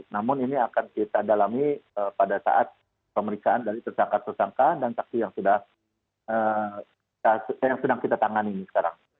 namun ini akan kita dalami pada saat pemeriksaan dari tersangka tersangka dan saksi yang sedang kita tangani sekarang